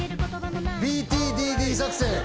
ＢＴＤＴ 作戦